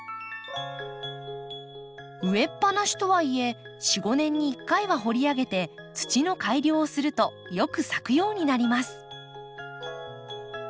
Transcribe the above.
植えっぱなしとはいえ４５年に１回は掘り上げて土の改良をするとよく咲くようになります。